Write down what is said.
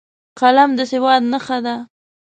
قلم د سواد نښه ده